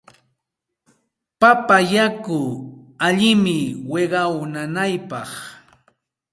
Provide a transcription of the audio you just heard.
Papa yaku allinmi wiqaw nanaypaq.